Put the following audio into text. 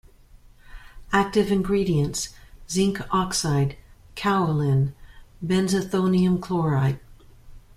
"Active Ingredients:" Zinc oxide, kaolin, benzethonium chloride.